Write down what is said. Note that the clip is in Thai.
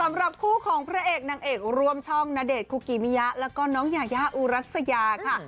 สำหรับคู่ของพระเอกนางเอกร่วมช่องณเดชนคุกิมิยะแล้วก็น้องยายาอุรัสยาค่ะ